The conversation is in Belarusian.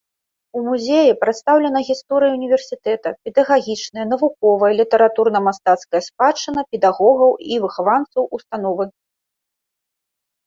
У музеі прадстаўлена гісторыя ўніверсітэта, педагагічная, навуковая і літаратурна-мастацкая спадчына педагогаў і выхаванцаў установы.